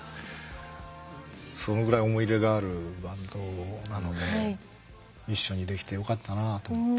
そのぐらい思い入れがあるバンドなので一緒にできてよかったなと思って。